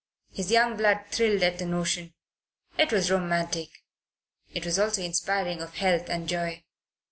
His young blood thrilled at the notion. It was romantic. It was also inspiring of health and joy.